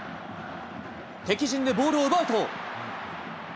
敵陣でボールを奪うと。